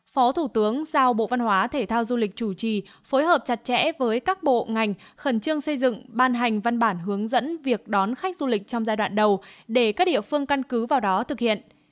phó thủ tướng giao bộ văn hóa thể thao du lịch chủ trì phối hợp chặt chẽ với các bộ ngành khẩn trương xây dựng ban hành văn bản hướng dẫn việc đón khách du lịch trong giai đoạn đầu để các địa phương căn cứ vào đó thực hiện